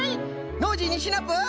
ノージーにシナプー！